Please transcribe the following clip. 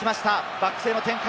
バックスへの展開。